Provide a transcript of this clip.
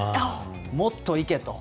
もっといけ！と。